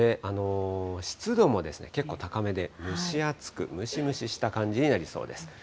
湿度も結構高めで、蒸し暑く、ムシムシした感じになりそうです。